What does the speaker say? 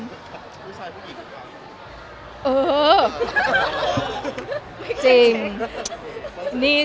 ผู้ชายผู้หญิงหรือเปล่า